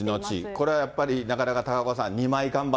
これはやっぱり、なかなか高岡さん、